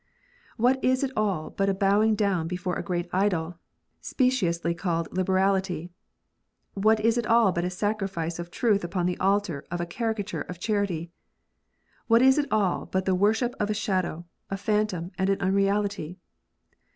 What is it all but a bowing down before a great idol, speci ously called liberality 1 What is it all but a sacrificing of truth upon the altar of a caricature of charity ? What is it all but the worship of a shadow, a phantom, and an unreality